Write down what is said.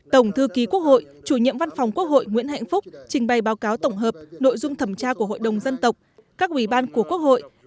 tổng thư ký quốc hội chủ nhiệm văn phòng quốc hội nguyễn hạnh phúc trình bày báo cáo tổng hợp nội dung thẩm tra của hội đồng dân tộc các ủy ban của quốc hội